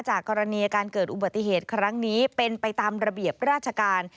กรณีการเกิดอุบัติเหตุครั้งนี้เป็นไปตามระเบียบราชการ